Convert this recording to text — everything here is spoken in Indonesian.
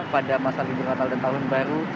pada masa libur natal dan tahun baru